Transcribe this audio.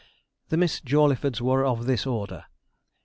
The Miss Jawleyfords were of this order.